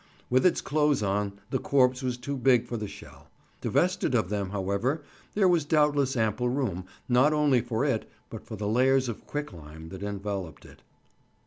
With its clothes on, the corpse was too big for the shell; divested of them, however, there was doubtless ample room, not only for it, but for the layers of quicklime that enveloped it.